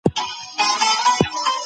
تاریخي واقعیت باید په پام کي ونیول سي.